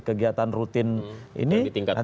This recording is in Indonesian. kegiatan rutin ini